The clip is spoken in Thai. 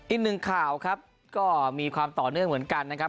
อีกหนึ่งข่าวครับก็มีความต่อเนื่องเหมือนกันนะครับ